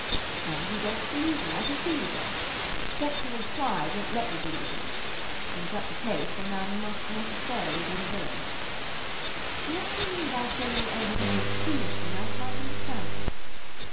And you don't believe me; I can see you don't. Sexual pride won't let you believe me. In such a case the man must necessarily be the villain." "What you mean by saying you only behaved "foolishly," I can't understand."